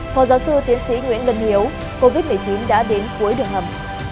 phó giáo sư tiến sĩ nguyễn vân hiếu covid một mươi chín đã đến cuối đường hầm